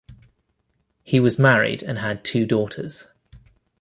He was married and had two daughters.